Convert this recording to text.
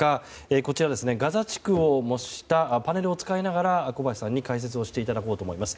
こちら、ガザ地区を模したパネルを使いながら小橋さんに解説をしていただきます。